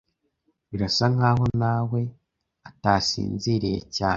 Birasa nkaho nawe atasinziriye cyane.